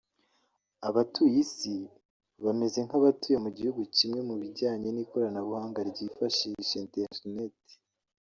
Abatuye Isi bameze nk’abatuye mu gihugu kimwe mu bijyanye n’ikoranabuhanga ryifashisha interineti